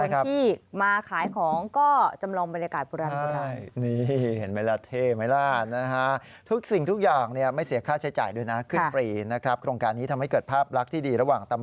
คนที่มาขายของก็จำลองบรรยากาศโบราณ